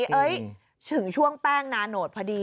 เฮ้ยถึงช่วงแป้งนานโหดพอดี